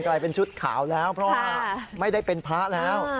จะเป็นชุดขาวแล้วเพราะว่าไม่ได้เป็นพระแล้ว